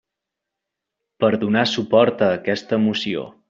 Per donar suport a aquesta moció.